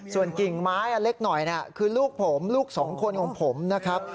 ส่วนกิ่งไม้อันเล็กหน่อยคือลูกผมลูกสองคนของผมนะครับ